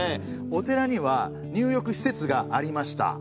お寺には入浴施設がありました。